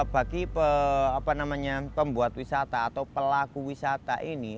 bagi pembuat wisata atau pelaku wisata ini